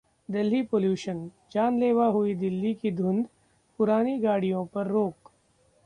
Delhi Pollution: जानलेवा हुई दिल्ली की धुंध, पुरानी गाड़ियों पर रोक